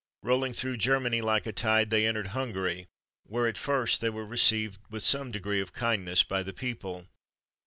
Rolling through Germany like a tide, they entered Hungary, where, at first, they were received with some degree of kindness by the people.